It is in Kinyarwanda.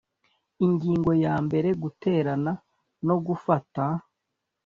Ingingo ya mbere Guterana no gufata